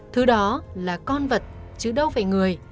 thứ đó là con vật chứ đâu phải người